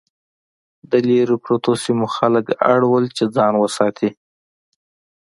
د لرې پرتو سیمو خلک اړ وو چې ځان وساتي.